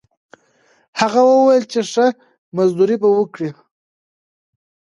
هغه وویل چې ښه مزدوري به ورکړي.